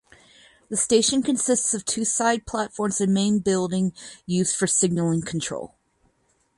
The station consists of two side platforms and main building used for signalling control.